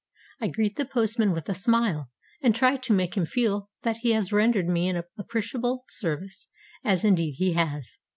I greet the postman with a smile, and try to make him feel that he has rendered me an appreciable service, as indeed he has.